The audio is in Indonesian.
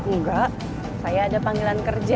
enggak saya ada panggilan kerja